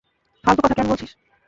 ফালতু কথা কেন বলছিস?